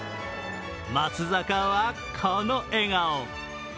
松坂はこの笑顔。